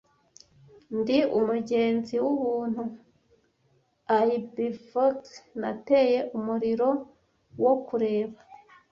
Ndi umugenzi wubuntu, I bivouac nateye umuriro wo kureba ,